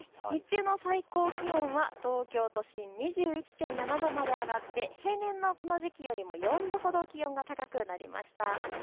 日中の最高気温は東京都心２１．７度まで上がって平年のこの時期よりも４度ほど気温が高くなりました。